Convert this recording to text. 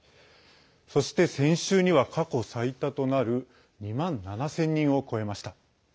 そして、先週には過去最多となる２万７０００人を超えました。